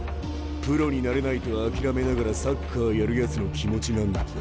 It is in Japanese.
プロになれないと諦めながらサッカーやるやつの気持ちなんて。